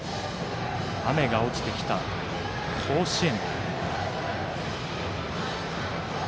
雨が落ちてきた甲子園。